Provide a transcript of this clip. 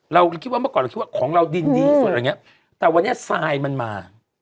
เราคิดว่าเมื่อก่อนเราคิดว่าของเราดินดีสุดอะไรอย่างเงี้ยแต่วันนี้ทรายมันมา